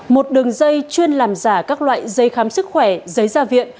một đường dây chuyên làm giả các loại dây khám sức khỏe dây gia viện